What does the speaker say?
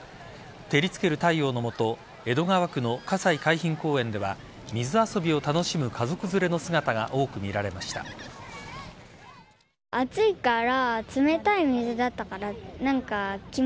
照りつける太陽の下江戸川区の葛西海浜公園では水遊びを楽しむ家族連れの姿が多く見られました。